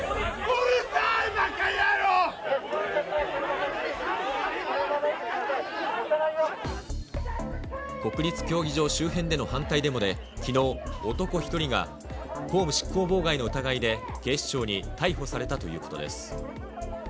うるさい、国立競技場周辺での反対デモで、きのう、男１人が公務執行妨害の疑いで警視庁に逮捕されたということです。